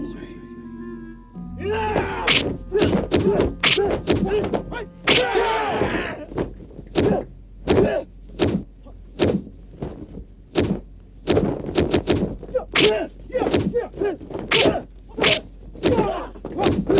sekolah perawangan telah enam belas orang agak membanin mampus